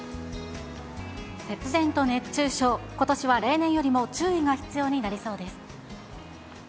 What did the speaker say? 節電と熱中症、ことしは例年よりも注意が必要になりそうです。